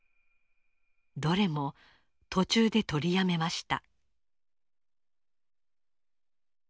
どれも途中で取りやめました。